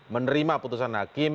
menerima putusan hakim